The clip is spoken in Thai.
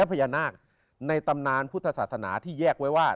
พญานาคในตำนานพุทธศาสนาที่แยกไว้ว่า